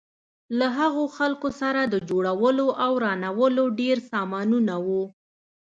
له هغو خلکو سره د جوړولو او ورانولو ډېر سامانونه وو.